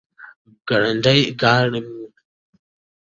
ګړندی ګاډی به ځغلوي، ښو کوټو او کوټیو او ماڼیو کې به کښېني،